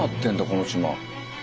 この島。